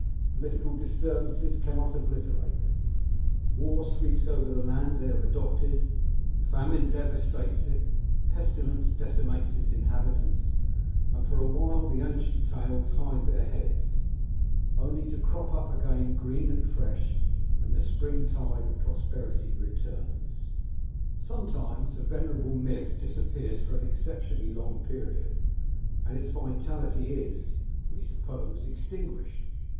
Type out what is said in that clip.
Political disturbances can not obliterate them ; war sweeps over the land they have adopted, famine devastates it, pesti lence decimates its inhabitants, and for a while the ancient tales hide their heads, only to crop up 237 Curiosities of Olden Times again green and fresh when the springtide of prosperity returns. Sometimes a venerable myth disappears for an exceptionally long period, and its vitality is, we suppose, extinguished.